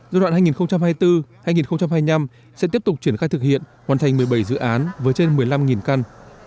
giai đoạn hai nghìn hai mươi bốn hai nghìn hai mươi năm sẽ tiếp tục triển khai thực hiện hoàn thành một mươi bảy dự án với trên một mươi năm căn